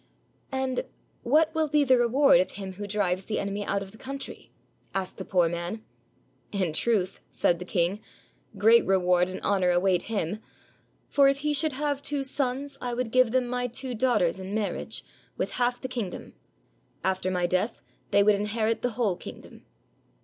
" And what will be the reward of him who drives the enemy out of the country?" asked the poor man. "In truth," said the king, "great reward and honor await him; for if he should have two sons, I would give them my two daughters in marriage, with half the kingdom. After my death they would inherit the whole kingdom."